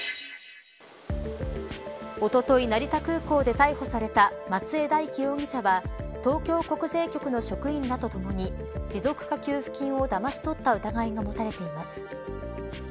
おととい成田空港で逮捕された松江大樹容疑者は東京国税局の職員らとともに持続化給付金をだまし取った疑いが持たれています。